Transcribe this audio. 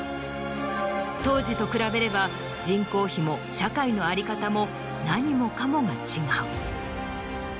当時と比べれば人口比も社会の在り方も何もかもが違う。